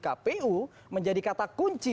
kpu menjadi kata kunci